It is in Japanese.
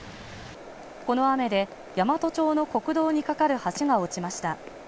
この雨で、山都町の国道に架かる橋が落ちました。